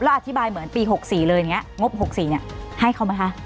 แล้วอธิบายเหมือนปี๖๔เลยอย่างนี้งบ๖๔ให้เขาไหมคะ